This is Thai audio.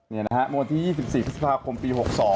เมื่อวันที่๒๔พฤษภาคมปี๖๒